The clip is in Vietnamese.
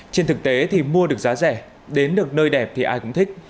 trên thực tế thì mua được giá rẻ đến được nơi đẹp thì ai cũng thích